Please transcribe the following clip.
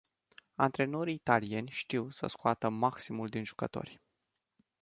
Antrenorii italieni știu să scoată maximul din jucători.